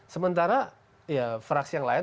sementara fraksi yang lain